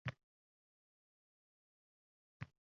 Tepalikni qoralab